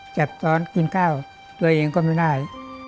ตอนกินข้าวตัวเองก็ไม่ได้